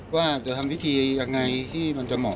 ว่าจะทำพิธียังไงที่มันจะเหมาะ